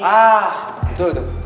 ah gitu gitu